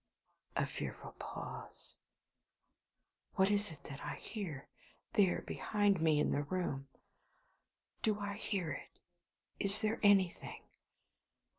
A fearful pause. What is that that I hear? There, behind me in the room? Do I hear it? Is there anything?